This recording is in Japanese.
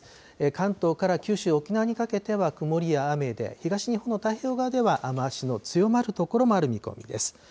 関東から九州、沖縄にかけては曇りや雨で、東日本の太平洋側では、雨足の強まる所もある見込みです。